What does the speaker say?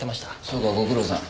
そうかご苦労さん。